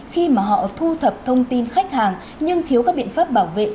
khi mà họ thu thập thông tin khách hàng nhưng thiếu các biện pháp bảo vệ